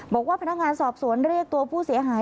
บอกว่าพนักงานสอบสวนเรียกตัวผู้เสียหาย